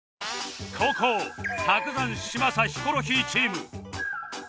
後攻伯山嶋佐ヒコロヒーチーム